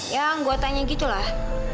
ya gue tanya gitu lah